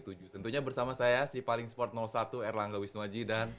tentunya bersama saya sipaling sport satu erlangga wismaji dan